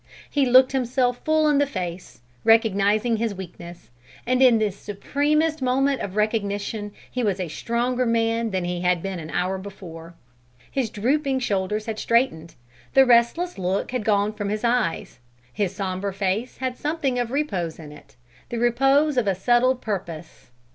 He looked himself full in the face, recognizing his weakness, and in this supremest moment of recognition he was a stronger man than he had been an hour before. His drooping shoulders had straightened; the restless look had gone from his eyes; his sombre face had something of repose in it, the repose of a settled purpose.